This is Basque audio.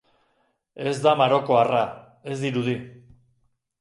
Ez da marokoarra, ez dirudi.